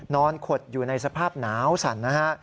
ขดอยู่ในสภาพหนาวสั่นนะฮะ